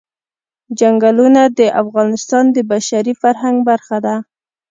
چنګلونه د افغانستان د بشري فرهنګ برخه ده.